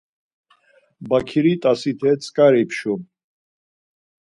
Baǩiri t̆asite tzǩari pşum.